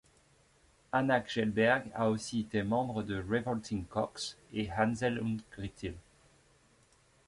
Anna Kjellberg a aussi été membre de Revolting Cocks et Hanzel und Gretyl.